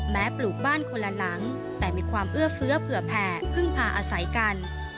ปลูกบ้านคนละหลังแต่มีความเอื้อเฟื้อเผื่อแผ่พึ่งพาอาศัยกัน